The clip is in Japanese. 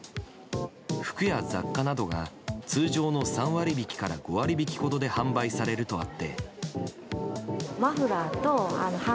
服や雑貨などが通常の３割引きから５割引きほどで販売されるとあって。